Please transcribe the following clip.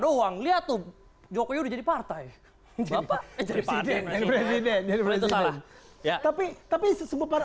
doang liat tuh jokowi udah jadi partai jadi presiden dan president ya tapi tapi sebuah fakta yang